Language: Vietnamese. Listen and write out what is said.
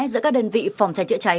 giữa các đơn vị phòng trái trễ trái